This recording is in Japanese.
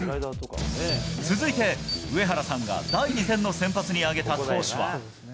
続いて上原さんが第２戦の先発に挙げた投手は。